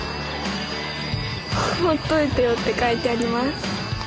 「ほっといてよ。」って書いてあります。